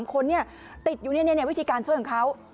๓คนติดอยู่วิธีการช่วยของเขา